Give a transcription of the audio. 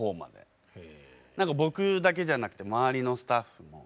何か僕だけじゃなくて周りのスタッフも。